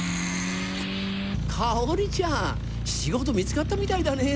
香ちゃん、仕事見つかったみたいだね。